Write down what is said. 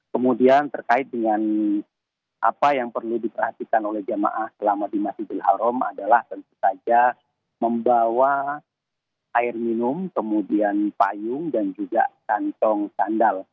kemudian terkait dengan apa yang perlu diperhatikan oleh jamaah selama di masjidil haram adalah tentu saja membawa air minum kemudian payung dan juga kantong sandal